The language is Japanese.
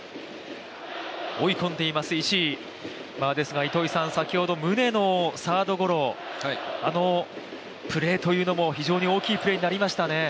ですが先ほど宗のサードゴロ、あのプレーというのも非常に大きいプレーになりましたね。